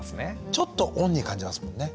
ちょっと恩義感じますもんね。